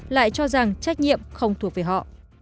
lại cho rằng trách nhiệm không thuộc về họ